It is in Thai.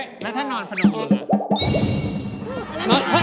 แล้วถ้านอนพนิษฐ์เต็มละ